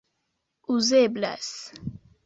uzeblas